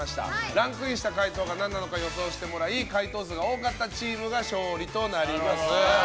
ランクインした回答が何なのか予想してもらい回答数が多かったチームが勝利となります。